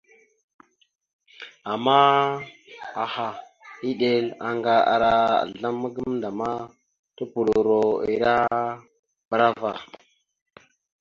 Ama aha, eɗel, aŋgar ara azzlam gamənda ma tupoɗoro ere bra ava.